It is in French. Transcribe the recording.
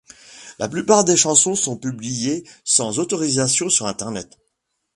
La plupart des chansons sont publiées sans autorisation sur Internet.